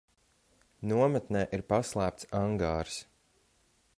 Nometnē ir paslēpts angārs.